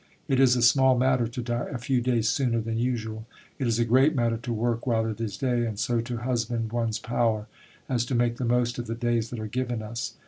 It is a small matter to die a few days sooner than usual. It is a great matter to work while it is day, and so to husband one's power as to make the most of the days that are given us.